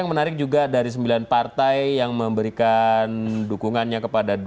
yang menarik juga dari sembilan partai yang memberikan dukungannya kepada dua